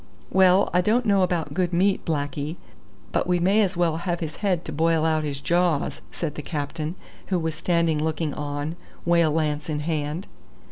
"Well, I don't know about good meat, blackee, but we may as well have his head to boil out his jaws," said the captain, who was standing looking on, whale lance in hand.